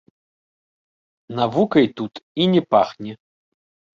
Навукай тут і не пахне.